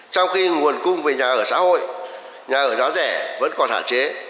sau khi nguồn cung về nhà ở xã hội nhà ở giá rẻ vẫn còn hạ chế